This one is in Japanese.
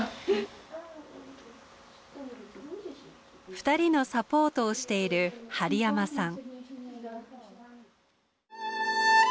二人のサポートをしている針山さん。